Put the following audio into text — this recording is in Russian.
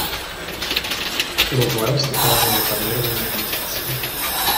Уругвай выступает за реформирование Организации.